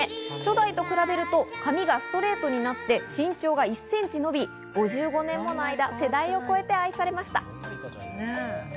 初代と比べると髪がストレートになって身長が１センチ伸び、５５年もの間、世代を超えて愛されました。